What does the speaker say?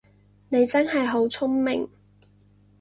你真係好聰明